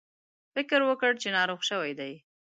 فکر وکړ چې ناروغ شوي دي.